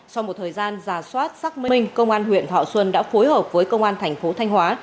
sau một thời gian giả soát xác minh công an huyện thọ xuân đã phối hợp với công an thành phố thanh hóa